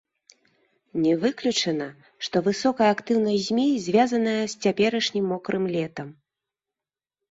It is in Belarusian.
Не выключана, што высокая актыўнасць змей звязаная з цяперашнім мокрым летам.